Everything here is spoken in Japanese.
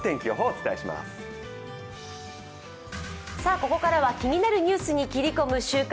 ここからは気になるニュースに切り込む「週刊！